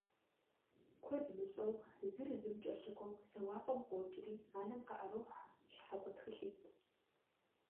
Куэд мыщӀэу зыр зым кӀэлъыкӀуэу зэуапӀэм къокӀри анэм къыӀэрохьэ щхьэкӀуэ тхылъитӀ.